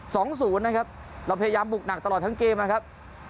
สองศูนย์นะครับเราพยายามบุกหนักตลอดทั้งเกมนะครับ